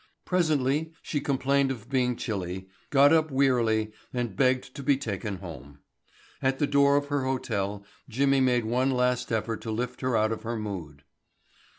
Presently she complained of being chilly, got up wearily and begged to be taken home. At the door of her hotel Jimmy made one last effort to lift her out of her mood.